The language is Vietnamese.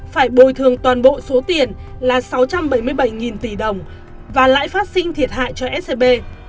phải bồi thường toàn bộ số tiền là sáu trăm bảy mươi bảy tỷ đồng và lãi phát sinh thiệt hại cho scb